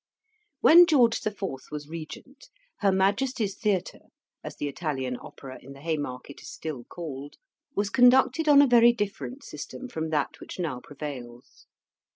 When George the Fourth was Regent, Her Majesty's Theatre, as the Italian Opera in the Haymarket is still called, was conducted on a very different system from that which now prevails.